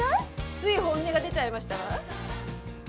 つい本音が出ちゃいましたわ。